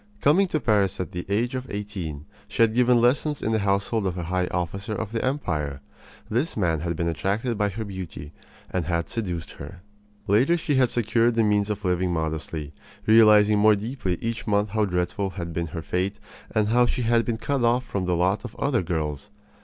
Coming to Paris at the age of eighteen, she had given lessons in the household of a high officer of the empire. This man had been attracted by her beauty, and had seduced her. Later she had secured the means of living modestly, realizing more deeply each month how dreadful had been her fate and how she had been cut off from the lot of other girls.